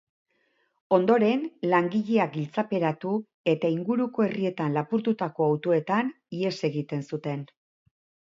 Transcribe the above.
Ondoren, langileak giltzaperatu eta inguruko herrietan lapurtutako autoetan ihes egiten zuten.